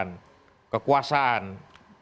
nah hal yang kedua adalah soal konsentrasi dan pembatasan